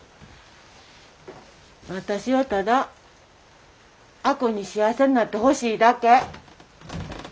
私はただ亜子に幸せになってほしいだけ。